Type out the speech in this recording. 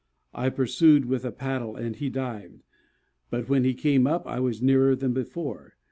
I pursued with a paddle and he dived, but when he came up I was nearer than before.